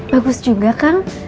bagus juga kang